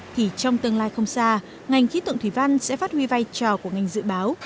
thì trong tương lai không xa ngành khí tượng thủy văn sẽ phát huy vai trò của ngành dự báo